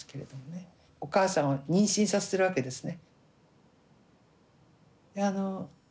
お母さんを妊娠させてるわけですね。